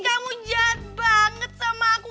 kamu jad banget sama aku